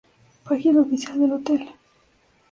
Página oficial del hotel